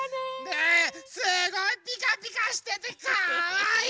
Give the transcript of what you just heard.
ねえすごいピカピカしててかわいい！